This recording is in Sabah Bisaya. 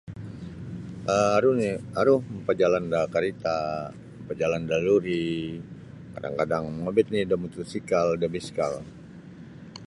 um Aru nini aru mapajalan da karita mapajalan da luri kadang-kadang mongobit nini da motosikal da biskal.